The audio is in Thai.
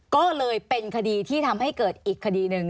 ก็เลยเป็นคดีที่ทำให้เกิดอีกคดีหนึ่ง